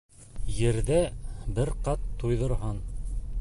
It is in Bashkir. Ерҙе бер ҡат туйҙырһаң